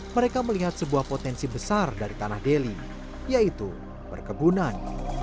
mereka melihat sebuah potensi besar dari tanah delhi yaitu perkebunan